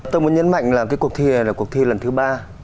tôi muốn nhấn mạnh là cuộc thi này là cuộc thi lần thứ ba